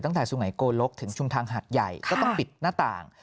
สุไงโกลกถึงชุมทางหัดใหญ่ก็ต้องปิดหน้าต่าง